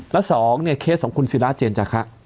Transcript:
และ๒เนี่ยเคสของคุณศิราเจนจาคะ